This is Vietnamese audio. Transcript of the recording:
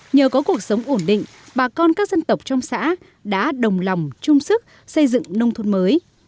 nhờ có cuộc sống ổn định bà con các dân tộc trong xã đã đồng lòng chung sức xây dựng nông thôn mới